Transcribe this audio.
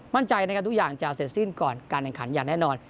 มั่นใจนะครับทุกอย่างจะเสร็จสิ้นก่อนการแข่งขันอย่างแน่นอน